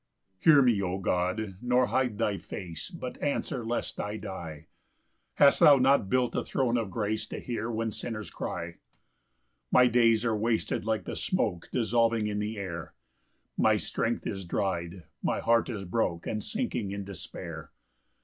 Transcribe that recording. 1 Hear me, O God, nor hide thy face, But answer lest I die; Hast thou not built a throne of grace To hear when sinners cry? 2 My days are wasted like the smoke Dissolving in the air; My strength is dry'd, my heart is broke, And sinking in despair.